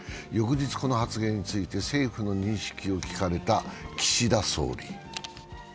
翌日、この発言について政府の認識を聞かれた岸田総理。